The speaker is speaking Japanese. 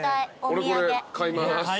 俺これ買います。